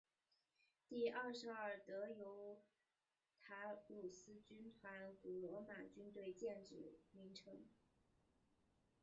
第二十二德尤塔卢斯军团古罗马军队建制名称。